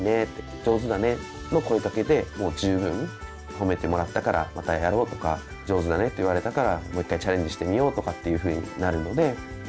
褒めてもらったからまたやろうとか上手だねって言われたからもう１回チャレンジしてみようとかっていうふうになるので。